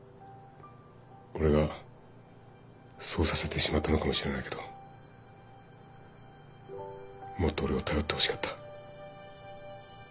俺がそうさせてしまったのかもしれないけどもっと俺を頼ってほしかった。